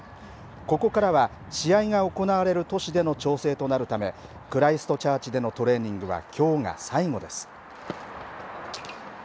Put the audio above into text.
ここからは試合が行われる都市での調整となるためクライストチャーチでのトレーニングはきょうが最後です。